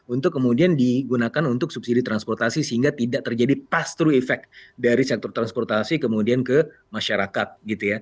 untuk kemudian digunakan untuk subsidi transportasi sehingga tidak terjadi pastru efek dari sektor transportasi kemudian ke masyarakat